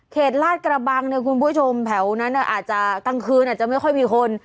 ลาดกระบังเนี่ยคุณผู้ชมแถวนั้นอาจจะกลางคืนอาจจะไม่ค่อยมีคน